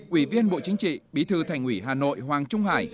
ủy viên bộ chính trị bí thư thành ủy hà nội hoàng trung hải